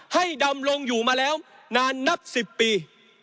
ดำลงอยู่มาแล้วนานนับ๑๐ปี